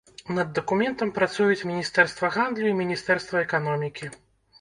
Над дакументам працуюць міністэрства гандлю і міністэрства эканомікі.